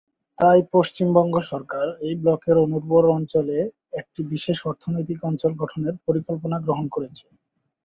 তাই পশ্চিমবঙ্গ সরকার এই ব্লকের অনুর্বর অঞ্চলে একটি বিশেষ অর্থনৈতিক অঞ্চল গঠনের পরিকল্পনা গ্রহণ করেছে।